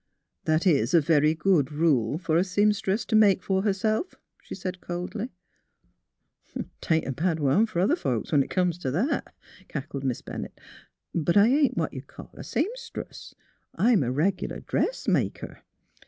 ^' That is a very good rule for a seamstress to make for herself, '' she said, coldly. " 'Tain't a bad one fer other folks, when it comes t' that," cackled Miss Bennett. '' But I ain't what you'd call a seamstress. I'm a reg'lar dressmaker.